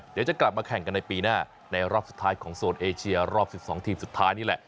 เดี๋ยวจะกลับมาแข่งกันในปีหน้าในรอบสุดท้ายของโซนเอเชียรอบ๑๒ทีมสุดท้ายนี่แหละ